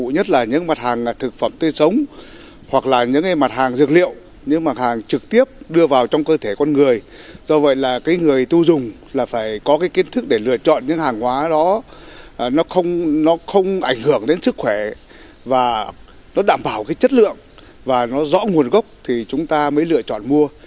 người tiêu dùng phải có kiến thức để lựa chọn những hàng hóa đó nó không ảnh hưởng đến sức khỏe và nó đảm bảo chất lượng và nó rõ nguồn gốc thì chúng ta mới lựa chọn mua